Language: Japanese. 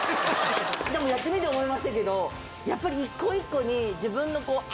でもやってみて思いましたけどやっぱり一個一個に。